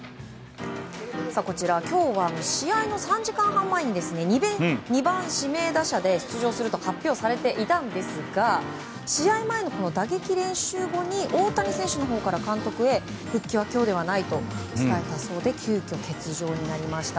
今日は試合の３時間半前に２番指名打者で出場すると発表されていたんですが試合前の打撃練習後に大谷選手のほうから監督へ、復帰は今日ではないと伝えたそうで急きょ欠場になりました。